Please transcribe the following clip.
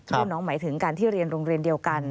รุ่นน้องหมายถึงการที่เรียนโรงเรียนเดียวกัน